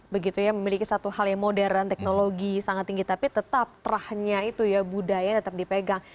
begitu ya memiliki satu hal yang modern teknologi sangat tinggi tapi tetap terahnya itu ya budayanya tetap dipegang